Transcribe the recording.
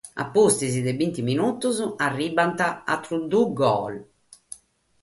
A pustis de binti minutos arribant àteros duos gol.